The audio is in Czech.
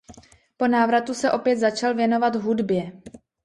Po návratu se opět začal věnovat hudbě.